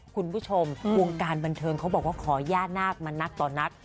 คุณผู้ชมวงการบันเทิงเขาบอกว่าขอย่านาคมานักต่อนัก